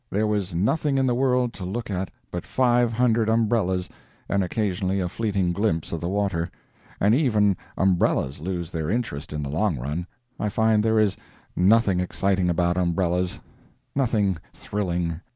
There was nothing in the world to look at but five hundred umbrellas and occasionally a fleeting glimpse of the water—and even umbrellas lose their interest in the long run, I find there is nothing exciting about umbrellas—nothing thrilling.